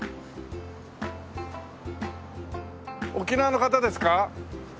沖縄の方ですか？